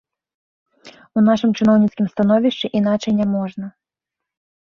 У нашым чыноўніцкім становішчы іначай няможна.